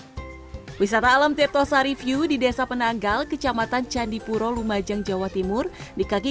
hai wisata alam tirtosa review di desa penanggal kecamatan candipuro lumajang jawa timur di kaki